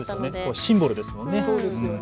シンボルですよね。